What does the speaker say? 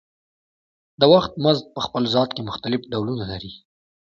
د وخت مزد په خپل ذات کې مختلف ډولونه لري